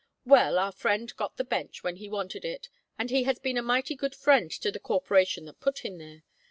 Well, our friend got the bench when he wanted it, and he has been a mighty good friend to the corporation that put him there.